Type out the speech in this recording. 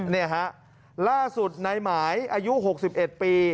นี่ฮะล่าสุดในหมายอายุ๖๑ปี